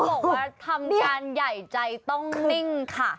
บอกว่าทำการใหญ่ใจต้องนิ่งค่ะ